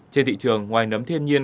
trên thị trường ngoài nấm thiên nhiên